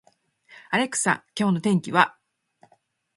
アレクサ、今日の天気は